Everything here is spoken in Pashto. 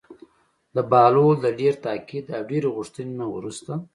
د بهلول د ډېر تاکید او ډېرې غوښتنې نه وروسته.